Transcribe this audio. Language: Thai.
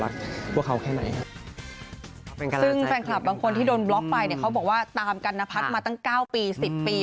ซึ่งแฟนคลับบางคนที่โดนบล็อกไปเนี่ยเขาบอกว่าตามกันนพัฒน์มาตั้ง๙ปี๑๐ปี